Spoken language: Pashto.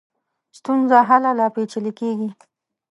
ستونزه هله لا پېچلې کېږي.